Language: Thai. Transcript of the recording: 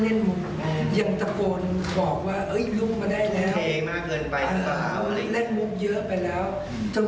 คนที่อยู่ในงานก็พยายามใครที่มีความทำมากเขาพยายามเข้ามาช่วย